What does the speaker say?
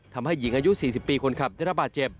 ทำให้หญิงอายุ๔๐ปีคนขับได้รับบาดเจ็บ